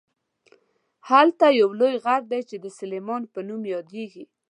هلته یو لوی غر دی چې د سلیمان په نوم یادیږي.